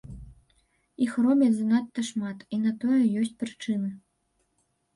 Іх робяць занадта шмат, і на тое ёсць прычыны.